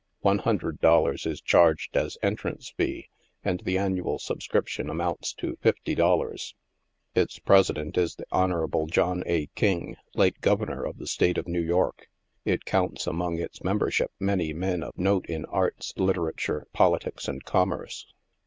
One hundred dol lars is charged as entrance fee, and the annual subscription amounts to fifty dollars. Its president is Hon. John A. King, late Governor of the State of New York. It counts among its membership many men of note in arts, literature, politics and commerce.